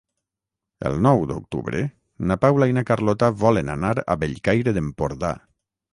El nou d'octubre na Paula i na Carlota volen anar a Bellcaire d'Empordà.